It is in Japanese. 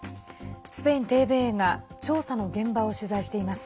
スペインＴＶＥが調査の現場を取材しています。